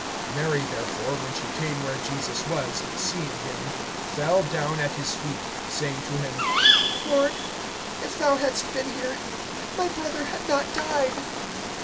(32)Mary therefore, when she came where Jesus was, seeing him, fell down at his feet, saying to him: Lord, if thou hadst been here, my brother had not died.